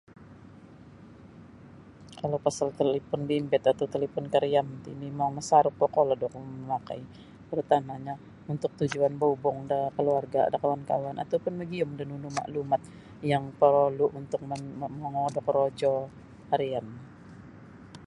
Kalau pasal talipon bimbit atau talipon kariam ti mimang masaruk kokolod oku mamakai tarutama'nya untuk tujuan baubung da keluarga' da kawan-kawan atau pun magiyum da nunu maklumat yang porolu' untuk mom momongo da korojo harian.